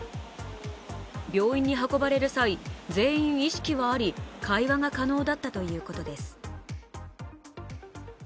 病院に運ばれる際、全員意識はあり会話が可能だったということです。